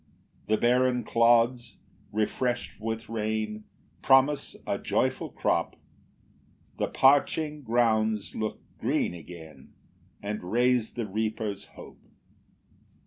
5 The barren clods, refresh'd with rain, Promise a joyful crop; The parching grounds look green again, And raise the reaper's hope.